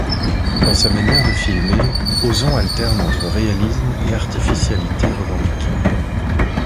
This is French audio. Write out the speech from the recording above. Dans sa manière de filmer, Ozon alterne entre réalisme et artificialité revendiquée.